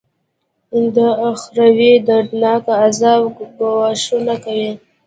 د اخروي دردناکه عذاب ګواښونه کوي.